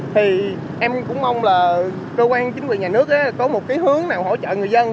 thì em cũng mong là cơ quan chính quyền nhà nước có một cái hướng nào hỗ trợ người dân